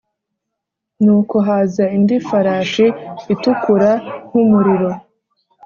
Nuko haza indi farashi itukura nk’umuriro